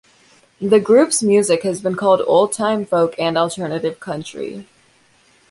The group's music has been called old-time, folk, and alternative country.